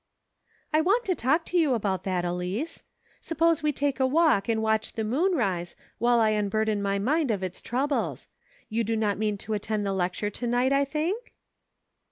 " I want to talk to you about that, Elice. Suppose we take a walk and watch the moon rise, while I unburden my mind of its troubles. You EVOLUTION. 255 do not mean to attend the lecture to night, I think